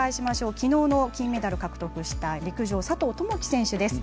きのうの金メダルを獲得した陸上の佐藤友祈選手です。